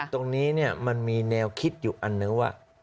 ตรงนี้มันมีแนวคิดอยู่อันนึงว่า